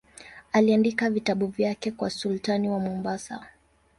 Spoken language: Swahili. Aliandika vitabu vyake kwa sultani wa Mombasa.